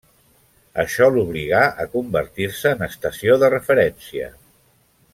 Això l'obligà a convertir-se en estació de referència.